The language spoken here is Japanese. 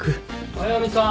速見さん